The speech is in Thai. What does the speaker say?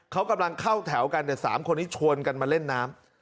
เขากำลังเข้าแถวกันแต่๓คนนี้ชวนกันมาเล่นน้ำ